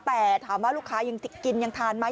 แต่ถามว่าลูกค้ายังกินยังทานไหม